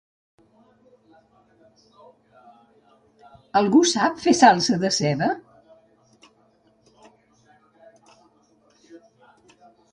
Algú sap fer salsa de ceba?